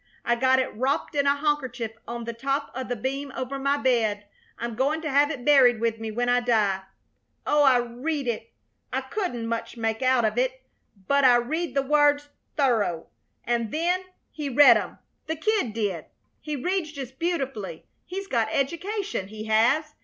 I got it wropped in a hankercher on the top o' the beam over my bed. I'm goin' to have it buried with me when I die. Oh, I read it. I couldn't make much out of it, but I read the words thorough. An' then he read 'em the Kid did. He reads just beautiful. He's got education, he has.